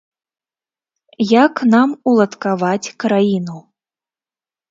Як нам уладкаваць краіну?